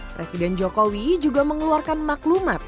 presiden jokowi juga mengeluarkan maklumat